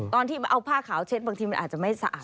ตอนที่เอาผ้าขาวเช็ดบางทีมันอาจจะไม่สะอาด